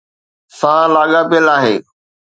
سان لاڳاپيل آهي